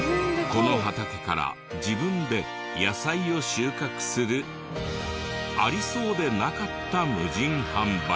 この畑から自分で野菜を収穫するありそうでなかった無人販売。